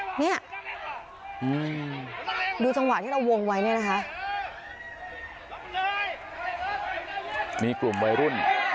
ทำว้าให้การตีกัน